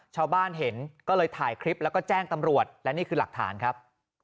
ชาวบ้านเห็นก็เลยถ่ายคลิปแล้วก็แจ้งตำรวจและนี่คือหลักฐานครับ